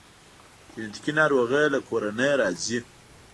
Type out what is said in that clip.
جنیټیکي ناروغۍ له کورنۍ راځي